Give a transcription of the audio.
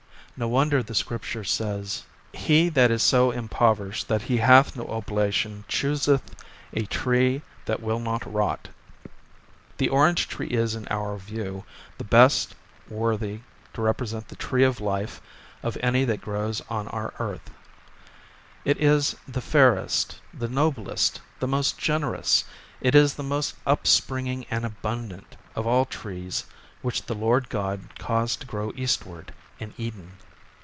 No wonder the Scripture says, " He that is so impoverished that he hath Hosted by Google l8 PALMETTO LEA VES. no oblation chooseth a tree that will not rot," The orange tree is, in our view, the best worthy to represent the tree of life of any that grows on our earth. It is the fairest, the noblest, the most generous, it is the most upspringing and abundant, of all trees which the Lord God caused to grow eastward in Eden.